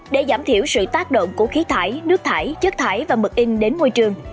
để giảm thiểu sự tác động của khí thải nước thải chất thải và mực in đến môi trường